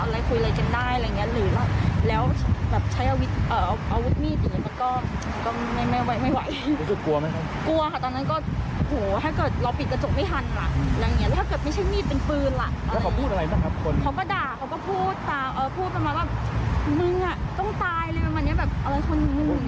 แล้วเค้าพูดอะไรนะครับคน